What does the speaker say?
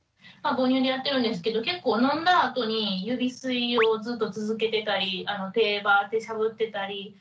母乳でやってるんですけど結構飲んだあとに指吸いをずっと続けてたり手をしゃぶってたり。